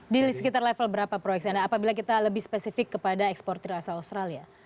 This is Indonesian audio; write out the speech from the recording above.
di sekitar level berapa proyeksi anda apabila kita lebih spesifik kepada eksportir asal australia